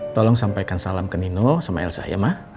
tolong sampaikan salam ke nino sama elsa ya ma